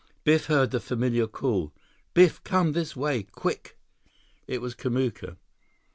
Biff heard the familiar call: "Biff, come this way! Quick!" It was Kamuka.